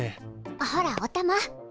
あほらっおたま。